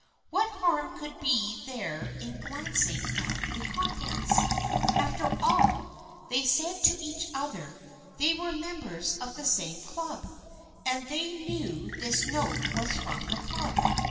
What harm could there be in glancing at the contents ? After all, they said to each other, they were members of the same Club, and they knew this note was from the Club.